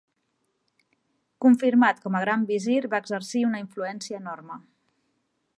Confirmat com a gran visir va exercir una influència enorme.